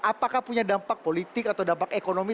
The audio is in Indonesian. apakah punya dampak politik atau dampak ekonomi